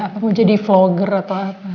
apa mau jadi vlogger atau apa